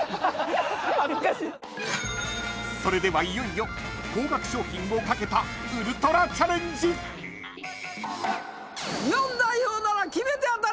［それではいよいよ高額商品を懸けたウルトラチャレンジ］きたきたきた！